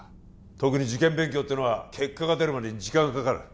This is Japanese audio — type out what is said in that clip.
特に受験勉強っていうのは結果が出るまでに時間がかかる